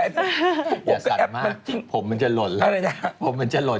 อย่าสั่นมากผมมันจะหล่น